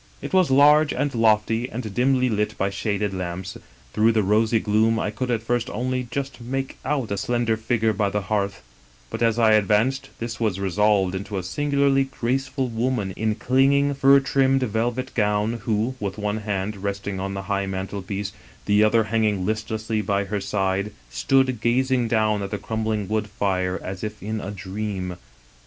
" It was large and lofty and dimly lit by shaded lamps ; through the rosy gloom I could at first only just make out a slender figure by the hearth ; but as I advanced, this was resolved into a singularly graceful woman in clinging, fur trimmed velvet gown, who, with one hand resting on the high mantelpiece, the other hanging listlessly by her side, stood gazing down at the crumbling wood fire as if in a dream.